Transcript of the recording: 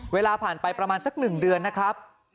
เวลาผ่านไปประมาณสัก๑เดือนนะครับ